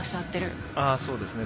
そうですね。